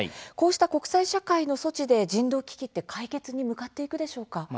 こうした国際社会の措置で人道危機は解決に向かっていくでしょうか。